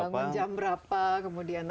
bangun jam berapa kemudian